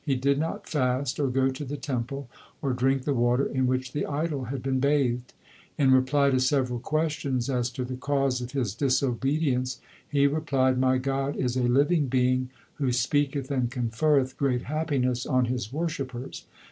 He did not fast, or go to the temple, or drink the water in which the idol had been bathed. In reply to several questions as to the cause of his disobedience he replied : My God is a living Being who speaketh arid conferreth great happiness on His worshippers.